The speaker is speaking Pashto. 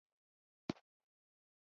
له بېوزلۍ سره یې لاس و پنجه نرموله.